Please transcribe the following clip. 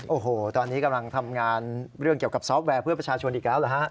โอ้โหตอนนี้กำลังทำงานเรื่องเกี่ยวกับซอฟต์แวร์เพื่อประชาชนอีกแล้วเหรอฮะ